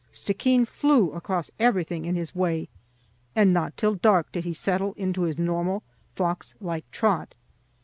Stickeen flew across everything in his way, and not till dark did he settle into his normal fox like trot.